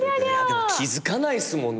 でも気付かないっすもんねそれ。